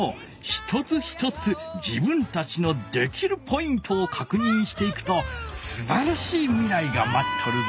一つ一つ自分たちのできるポイントをかくにんしていくとすばらしいみらいがまっとるぞ。